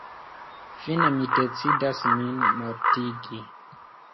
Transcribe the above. Fine mi decidas min mortigi.